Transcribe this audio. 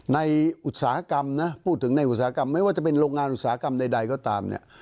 อุตสาหกรรมนะพูดถึงในอุตสาหกรรมไม่ว่าจะเป็นโรงงานอุตสาหกรรมใดก็ตามเนี่ย